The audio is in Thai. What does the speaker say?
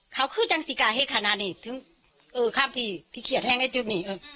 เขาคือจังสิกาเหตุขนาดนี้ถึงเออข้ามพี่ที่เขียนแห้งในจุดนี้